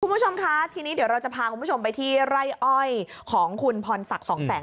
คุณผู้ชมคะทีนี้เดี๋ยวเราจะพาคุณผู้ชมไปที่ไร่อ้อยของคุณพรศักดิ์สองแสง